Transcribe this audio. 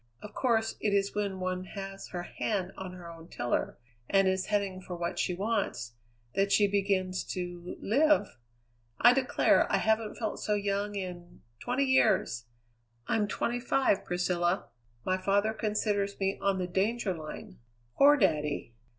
Of course it is when one has her hand on her own tiller, and is heading for what she wants, that she begins to live. I declare, I haven't felt so young in twenty years! I'm twenty five, Priscilla. My father considers me on the danger line. Poor daddy!"